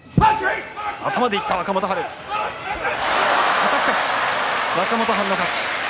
肩すかし若元春の勝ち。